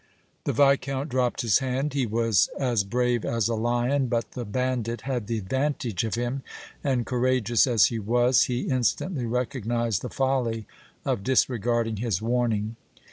The Viscount dropped his hand; he was as brave as a lion, but the bandit had the advantage of him and, courageous as he was, he instantly recognized the folly of disregarding his warning.